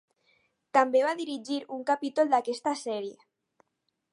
També va dirigir un capítol d'aquesta sèrie.